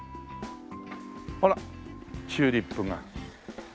あらチューリップが。